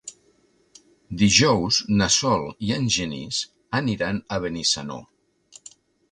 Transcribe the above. Dijous na Sol i en Genís aniran a Benissanó.